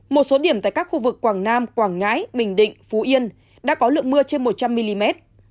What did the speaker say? một số điểm tại các khu vực quảng nam quảng ngãi bình định phú yên đã có lượng mưa trên một trăm linh mm